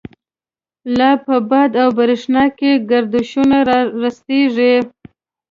لا په باد او برَښنا کی، گردشونه را رستیږی